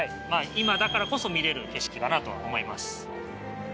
今だからこそ見れる景色かなとは思います。